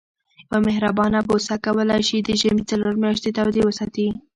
یوه مهربانه بوسه کولای شي د ژمي څلور میاشتې تودې وساتي.